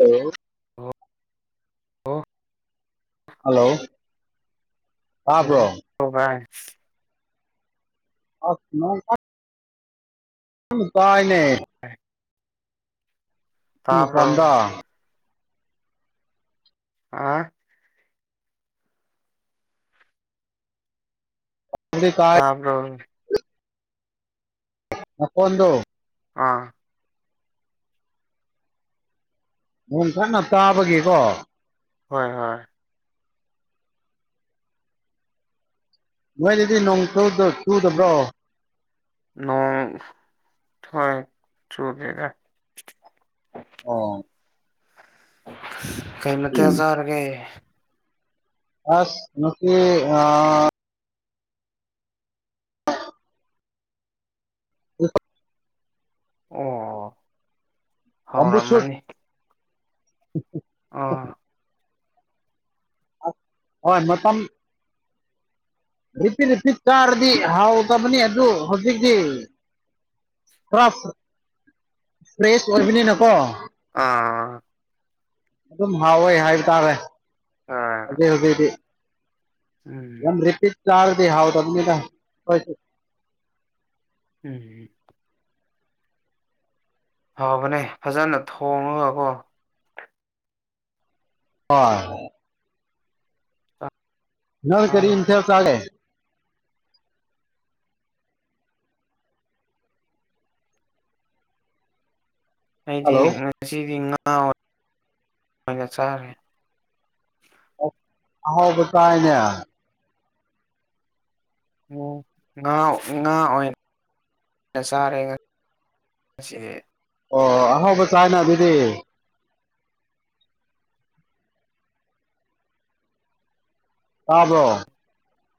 hello ꯑꯣ ꯑꯣ hello ꯇꯥꯕ꯭ꯔꯣ ꯑꯣ ꯚꯥꯏ [unintelligible] ꯑꯗꯨꯝ ꯇꯥꯏꯅꯦ ꯑꯦ [unintelligible] ꯃꯄꯥꯟꯗ ꯑꯥ [unintelligible] ꯇꯥꯕ꯭ꯔꯣ ꯅꯈꯣꯟꯗꯣ ꯑꯥ ꯅꯣꯡ ꯀꯟꯅ ꯇꯥꯕꯒꯤꯀꯣ ꯍꯣꯏ ꯍꯣꯏ ꯅꯣꯏꯗꯗꯤ ꯅꯣꯡ ꯆꯨꯗ ꯆꯨꯗꯕ꯭ꯔꯣ ꯅꯣꯡ ꯊꯣꯏ ꯆꯨꯗꯦꯗ ꯑꯣ ꯀꯩ ꯃꯊꯦꯜ ꯆꯥꯔꯒꯦ ꯑꯁ ꯉꯁꯤ ꯑ [inaudible] ꯑꯣ ꯕꯝꯕꯨ ꯁꯨꯠ ꯍꯥꯥꯎꯔꯝꯃꯅꯤ [inaudible] ꯑꯣ ꯍꯣꯏ ꯃꯇꯝ [unintelligible] ꯆꯥꯔꯗꯤ ꯍꯥꯎꯗꯕꯅꯤ ꯑꯗꯨ ꯍꯧꯖꯤꯛꯇꯤ ꯄꯨꯔ ꯐ꯭ꯔꯦꯁ ꯑꯣꯏꯕꯅꯤꯅꯀꯣ ꯑꯥ ꯑꯗꯨꯝ ꯍꯥꯎꯋꯦ ꯍꯥꯏꯕ ꯇꯥꯔꯦ ꯑꯥ ꯍꯧꯖꯤꯛ ꯍꯧꯖꯤꯛꯗꯤ ꯎꯝ ꯌꯥꯝ ꯔꯤꯄꯤꯠ ꯆꯥꯔꯗꯤ ꯍꯥꯎꯇꯕꯅꯦꯕ ꯈꯣꯏ ꯎꯝ ꯍꯥꯎꯕꯅꯦ ꯐꯖꯅ ꯊꯣꯡꯉꯒꯀꯣ ꯑꯥ ꯅꯣꯏ ꯀꯔꯤ ꯆꯥꯔꯗꯤ ꯏꯟꯁꯥꯡ ꯆꯥꯒꯦ [unintelligible] ꯑꯩꯗꯤ ꯍꯜꯂꯣ ꯉꯁꯤꯗꯤ ꯉꯥ ꯑꯣꯏꯅ ꯆꯥꯔꯦ ꯑꯣ ꯑꯍꯥꯎꯕ ꯆꯥꯏꯅꯦ ꯎꯝ ꯉꯥ ꯑꯣꯏ ꯉꯥ ꯑꯣꯏꯅ ꯆꯥꯔꯦ ꯉ ꯉꯁꯤꯗꯤ ꯑꯣ ꯑꯍꯥꯎꯕ ꯆꯥꯏꯅ ꯑꯗꯨꯗꯤ ꯇꯥꯕ꯭ꯔꯣ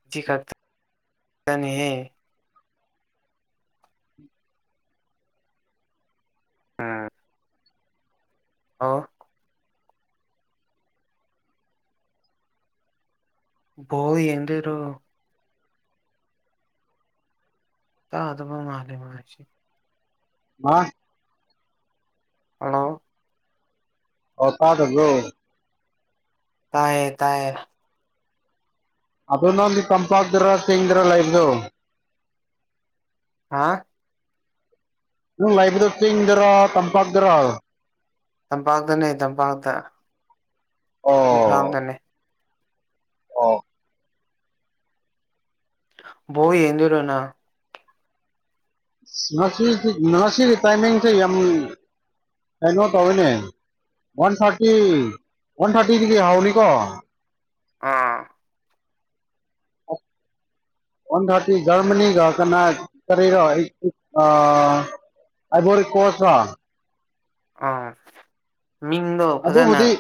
ꯉꯁꯤ ꯈꯛꯅꯤꯍꯦ ꯎꯝ ꯑꯧ ꯕꯣꯜꯗꯤ ꯌꯦꯡꯗꯨꯏꯔꯣ ꯇꯥꯗꯕ ꯃꯥꯂꯦ ꯃꯥꯁꯤ [unintelligible] ꯍꯂꯣ ꯑꯣ ꯇꯥꯗꯕ꯭ꯔꯣ ꯇꯥꯏꯌꯦ ꯇꯥꯏꯌꯦ ꯑꯗꯨ ꯅꯪꯗꯤ ꯇꯝꯄꯥꯛꯇꯔ ꯆꯤꯡꯗꯔ ꯂꯩꯕꯗꯨ ꯍꯥꯥ ꯅꯪ ꯂꯩꯥꯏꯕꯗ ꯆꯤꯡꯗꯔꯣ ꯇꯝꯄꯥꯛꯇꯔꯣ ꯇꯝꯄꯥꯛꯇꯅꯦ ꯇꯝꯄꯥꯛꯇ ꯑꯣ ꯏꯝꯐꯥꯜꯗꯅꯦ ꯑꯣ ꯕꯣꯜ ꯌꯦꯗꯣꯏꯔꯣ ꯅꯪ ꯉꯁꯤꯁꯤ ꯉꯁꯤꯒꯤ ꯇꯥꯏꯃꯤꯡꯁꯦ ꯌꯥꯝ ꯀꯩꯅꯣ ꯇꯧꯋꯤꯅꯦ ꯋꯥꯟ ꯊꯥꯔꯇꯤ ꯋꯥꯟ ꯊꯥꯔꯇꯤꯗꯒꯤ ꯍꯥꯎꯅꯤꯀꯣ ꯑꯥ ꯋꯥꯟ ꯊꯥꯔꯇꯤ ꯖꯔꯃꯅꯤꯒ ꯀꯅꯥ ꯀꯔꯤꯔꯣ ꯑꯥ ꯑꯥꯏꯕꯣꯔꯤ ꯀꯣꯁꯔꯣ ꯑꯥ ꯃꯤꯡꯗꯣ ꯐꯖꯅ ꯑꯗꯨꯕꯨꯗꯤ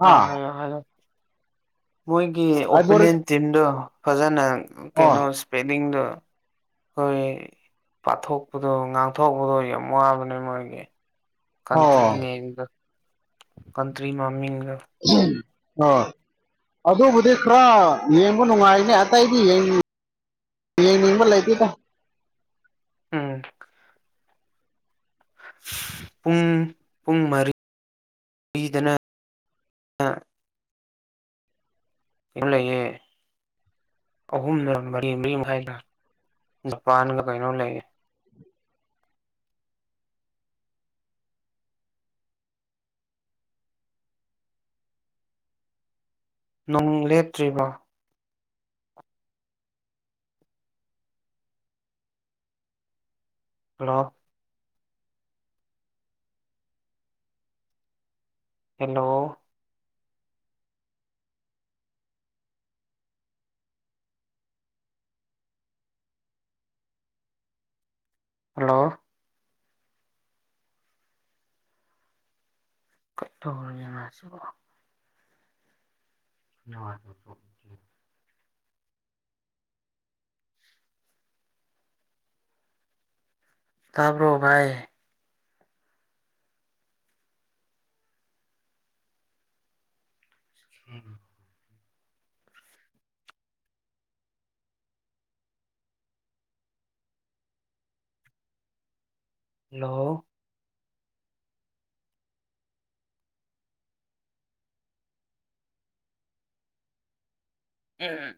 ꯑ ꯑꯥ ꯍꯥꯏꯌꯣ ꯍꯥꯏꯌꯣ ꯃꯣꯏꯒꯤ ꯑꯥꯏꯕꯣꯔꯤ ꯑꯣꯄꯣꯅꯦꯟ ꯇꯤꯝꯗꯣ ꯐꯖꯅ ꯑꯣ ꯀꯩꯅꯣ ꯏꯁꯄꯦꯂꯤꯡꯗꯣ ꯑꯩꯈꯣꯏ ꯄꯥꯊꯣꯛꯄꯗꯣ ꯉꯥꯡꯊꯣꯛꯄꯗꯣ ꯌꯥꯝ ꯋꯥꯕꯅꯦ ꯃꯣꯏꯒꯤ ꯑꯣ ꯀꯥꯡꯇꯔꯤ ꯅꯦꯝꯒ ꯀꯟꯇ꯭ꯔꯤ ꯃꯃꯤꯡꯒ ꯑꯍꯝ ꯍꯣ ꯑꯗꯨꯕꯨꯗꯤ ꯈꯔ ꯌꯦꯡꯕ ꯅꯨꯡꯉꯥꯏꯅꯦ ꯑꯇꯩꯗꯤ ꯌꯦꯡ ꯌꯦꯡꯅꯤꯡꯕ ꯂꯩꯇꯦꯗ ꯎꯨꯝ ꯄꯨꯡ ꯄꯨꯡ ꯃꯔꯤ-ꯗꯅ ꯌꯨꯝ ꯂꯩꯌꯦ ꯑꯍꯨꯝꯔꯥ ꯃꯔꯤ ꯃꯔꯤꯃꯈꯥꯏꯔꯥ ꯖꯄꯥꯟꯒ ꯀꯩꯅꯣ ꯂꯩꯌꯦ ꯅꯨꯡ ꯂꯦꯞꯇ꯭ꯔꯤꯕꯣ ꯍꯜꯂꯣ ꯍꯦꯜꯂꯣ ꯍꯜꯂꯣ ꯀꯩꯇꯧꯔꯒꯦ ꯃꯥꯁꯤꯕꯣ [unintelligible] ꯇꯥꯕ꯭ꯔꯣ ꯚꯥꯏ ꯎꯨꯝ ꯍꯜꯂꯣ ꯎꯨꯝ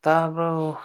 ꯇꯥꯕ꯭ꯔꯣ